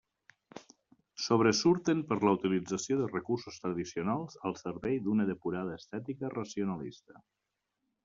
Sobresurten per la utilització de recursos tradicionals al servei d'una depurada estètica racionalista.